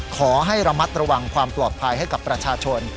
ขอให้ระมัดระวังความปลอดภัยให้กับประชาชน